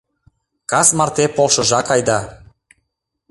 — Кас марте полшыжак айда.